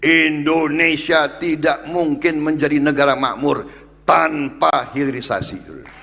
indonesia tidak mungkin menjadi negara makmur tanpa hilirisasi